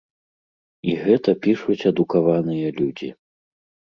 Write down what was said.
І гэта пішуць адукаваныя людзі.